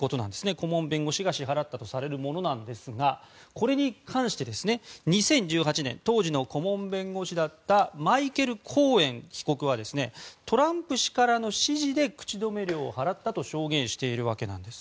顧問弁護士が支払ったとされるものですがこれに関して、２０１８年当時の顧問弁護士だったマイケル・コーエン被告はトランプ氏からの指示で口止め料を払ったと証言しているわけなんです。